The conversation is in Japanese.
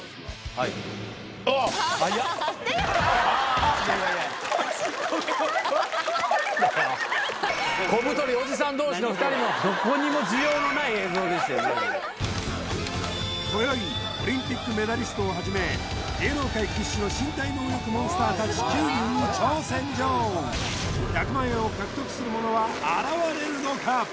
はいあっはやっすごいああホント怖かった２人のどこにも今宵オリンピックメダリストをはじめ芸能界屈指の身体能力モンスターたち９人に挑戦状１００万円を獲得する者は現れるのか？